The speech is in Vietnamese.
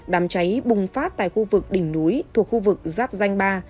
đám cháy bùng phát tại khu vực đỉnh núi thuộc khu vực giáp danh ba